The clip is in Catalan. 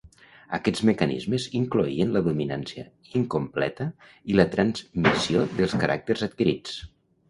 Aquests mecanismes incloïen la dominància incompleta i la transmissió dels caràcters adquirits.